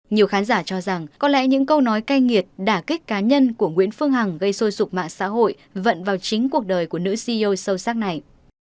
nhiều khán giả cho rằng có lẽ những câu nói cay nghiệt đả kích cá nhân của nguyễn phương hằng gây sôi sụp mạng xã hội vận vào chính cuộc đời của nữ ceo sâu sắc này